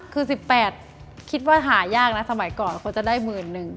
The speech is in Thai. คือ๑๘คิดว่าหายากนะสมัยก่อนคงจะได้๑๐๐๐๐บาท